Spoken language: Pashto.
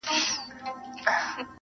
پرېږده چي نشه یم له خمار سره مي نه لګي!!